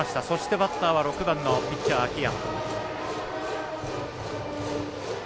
バッターは６番のピッチャー秋山。